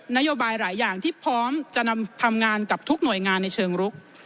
นโยบายหลายอย่างที่พร้อมจะทำงานกับทุกหน่วยงานในเชิงรุก